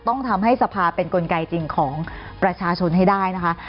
ต้องทำให้สภาเป็นกลไกจริงของประชาชนให้ได้นะคะ